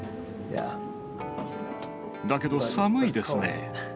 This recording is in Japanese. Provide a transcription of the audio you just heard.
だけど寒いですね。